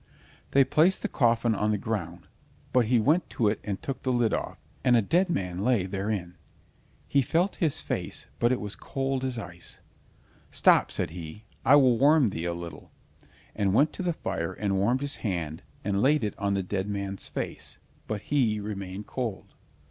They placed the coffin on the ground, but he went to it and took the lid off, and a dead man lay therein. He felt his face, but it was cold as ice. "Stop," said he, "I will warm thee a, little," and went to the fire and warmed his hand and laid it on the dead man's face, but he remained cold.